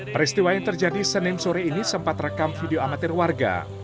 peristiwa yang terjadi senin sore ini sempat rekam video amatir warga